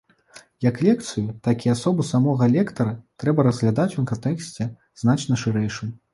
Як лекцыю, так і асобу самога лектара трэба разглядаць у кантэксце значна шырэйшым.